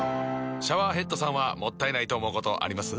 シャワーヘッドさんはもったいないと思うことあります？